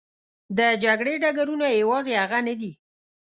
د جګړې ډګرونه یوازې هغه نه دي.